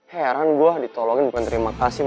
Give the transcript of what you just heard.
heran gue ditolongin bukan terima kasih bu